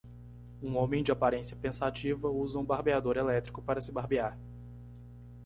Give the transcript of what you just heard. Um homem de aparência pensativa usa um barbeador elétrico para se barbear